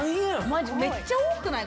マジめっちゃ多くない？